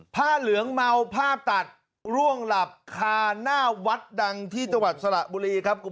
ผ้าเหลืองเมาผ้าตัดร่วงหลับคาหน้าวัดดังที่จังหวัดสระบุรีครับ